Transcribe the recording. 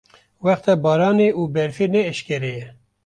wexta baranê û berfê ne eşkereye.